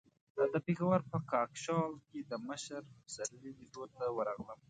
د پېښور په کاکشال کې د مشر پسرلي لیدو ته ورغلم.